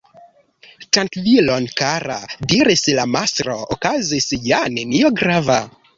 "Trankvilon, kara!" diris la mastro "okazis ja nenio grava".